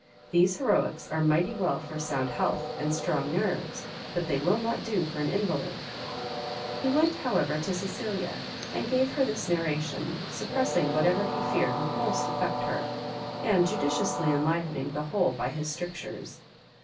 These heroicks are mighty well for sound health, and strong nerves, but they will not do for an invalide." He went, however, to Cecilia, and gave her this narration, suppressing whatever he feared would most affect her, and judiciously enlivening the whole by his strictures.